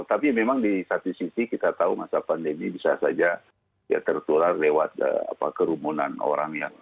tapi memang di satu sisi kita tahu masa pandemi bisa saja tertular lewat kerumunan orang yang